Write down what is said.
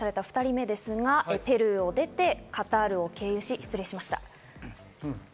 今回、確認がされた２人目ですが、ペルーを出て、カタールを経由し、失礼いたしました。